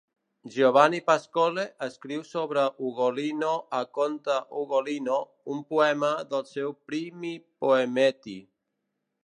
Giovanni Pascoli escriu sobre Ugolino a "Conte Ugolino", un poema del seu "Primi Poemetti".